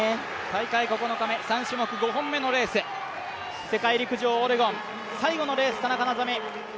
大会９日目、３種目５本目のレース、世界陸上オレゴン、最後のレース、田中希実。